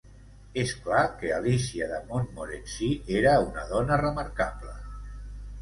És clar que Alícia de Montmorency era una dona remarcable.